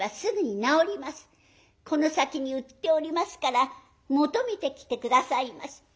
この先に売っておりますから求めてきて下さいまし。